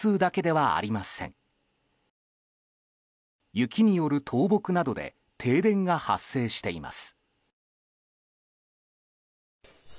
雪による倒木などで停電が発生しています。